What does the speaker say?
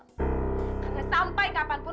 karena sampai kapanpun